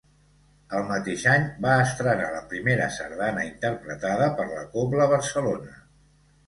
El mateix any va estrenar la primera sardana interpretada per la Cobla Barcelona.